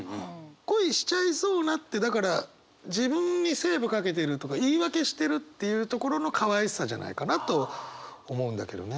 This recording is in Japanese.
「Ｋｏｉしちゃいそうな」ってだから自分にセーブかけてるとか言い訳してるっていうところのかわいさじゃないかなと思うんだけどね。